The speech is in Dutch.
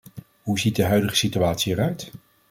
Hoe ziet de huidige situatie eruit?